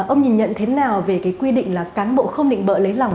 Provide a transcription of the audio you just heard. ông nhìn nhận thế nào về cái quy định là cán bộ không định bợ lấy lòng